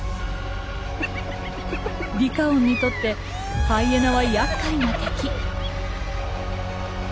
リカオンにとってハイエナはやっかいな敵。